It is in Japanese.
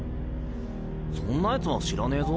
そんな奴は知らねえぞ。